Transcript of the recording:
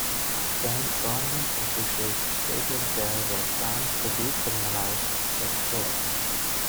Again government officials stated there were plans to decriminalise sex work.